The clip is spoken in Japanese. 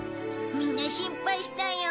みんな心配したよ。